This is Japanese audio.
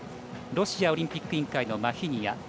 ロシアオリンピック委員会のマヒニア。